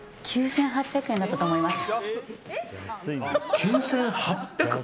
９８００円だったと思います。